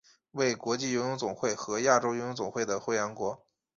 为国际游泳总会和亚洲游泳总会的会员国。